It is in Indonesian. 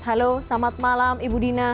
halo selamat malam ibu dina